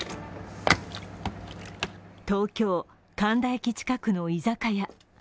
東京・神田駅近くの居酒屋。